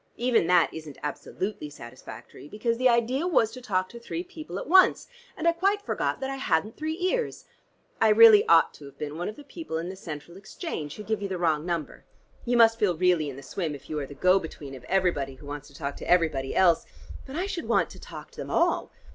Even that isn't absolutely satisfactory, because the idea was to talk to three people at once, and I quite forgot that I hadn't three ears. I really ought to have been one of the people in the Central Exchange, who give you the wrong number. You must feel really in the swim, if you are the go between of everybody who wants to talk to everybody else; but I should want to talk to them all.